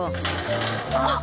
・あっ！